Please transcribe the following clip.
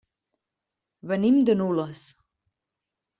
Venim de Nules.